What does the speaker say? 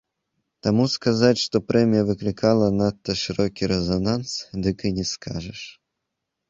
Таму сказаць, што прэмія выклікала надта шырокі рэзананс, дык і не скажаш.